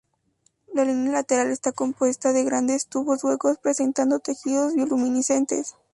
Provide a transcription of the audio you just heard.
La línea lateral está compuesta de grandes tubos huecos, presentando tejidos bioluminiscentes.